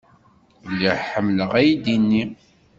Lliɣ ḥemmleɣ aydi-nni.